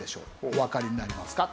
おわかりになりますか？